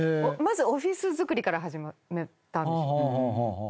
まずオフィス作りから始めたんです。